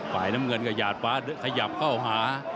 ฝ่ายน้ำเงินก็หยาดฟ้าขยับเข้าหา